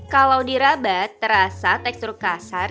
kalau dirabat terasa tekstur kasar